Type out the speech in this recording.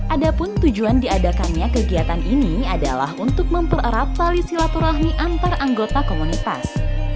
ada pun tujuan diadakannya kegiatan ini adalah untuk mempererat tali silaturahmi antar anggota komunitas